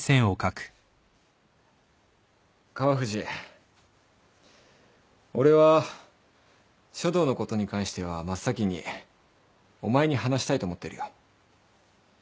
川藤俺は書道のことに関しては真っ先にお前に話したいと思ってるよ。